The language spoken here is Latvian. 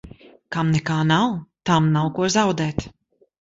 Kam nekā nav, tam nav ko zaudēt.